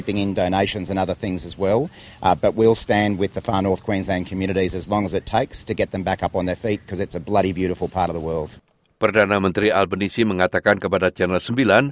perdana menteri albanisi mengatakan kepada channel sembilan